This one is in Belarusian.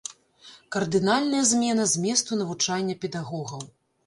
Кардынальная змена зместу навучання педагогаў.